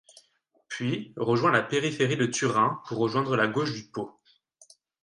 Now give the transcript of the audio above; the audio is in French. Puis, rejoint la périphérie de Turin pour rejoindre la gauche du Pô.